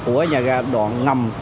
của nhà ga đoạn ngầm